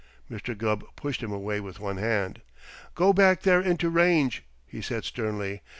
Mr. Gubb pushed him away with one hand. "Go back there into range," he said sternly.